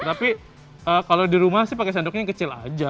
tapi kalau di rumah sih pakai sendoknya yang kecil aja